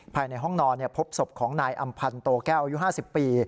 ภายในห้องนอนพบศพของนายอำพันธ์โตแก้วอายุ๕๐ปี